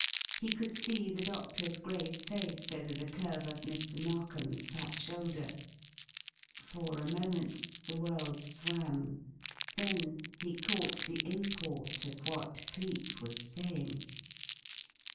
He could see the doctor's grave face over the curve of Mr. Narkom's fat shoulder. For a moment the world swam. Then he caught the import of what Cleek was saying.